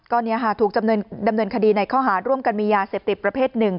ก็ถูกดำเนินคดีในข้อหาร่วมกันมียาเสพติดประเภทหนึ่ง